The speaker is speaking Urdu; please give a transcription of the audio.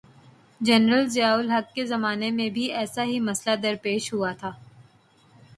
جنرل ضیاء الحق کے زمانے میں بھی ایسا ہی مسئلہ درپیش ہوا تھا۔